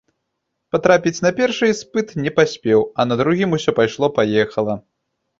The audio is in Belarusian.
Патрапіць на першы іспыт не паспеў, а на другім усё пайшло-паехала.